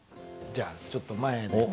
じゃあちょっと前へ出て。